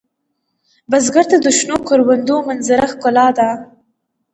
بزګر ته د شنو کروندو منظره ښکلا ده